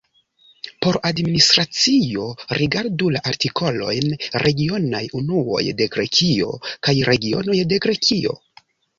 Por administracio rigardu la artikolojn Regionaj unuoj de Grekio kaj Regionoj de Grekio.